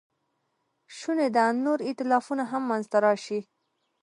شونې ده نور ایتلافونه هم منځ ته راشي.